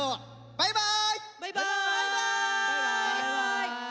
バイバイ！